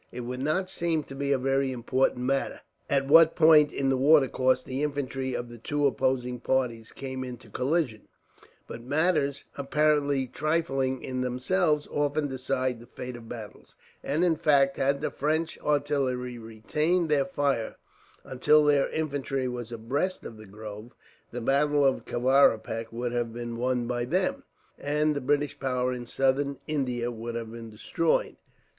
It would not seem to be a very important matter, at what point in the watercourse the infantry of the two opposing parties came into collision, but matters apparently trifling in themselves often decide the fate of battles; and, in fact, had the French artillery retained their fire until their infantry were abreast of the grove, the battle of Kavaripak would have been won by them, and the British power in Southern India would have been destroyed.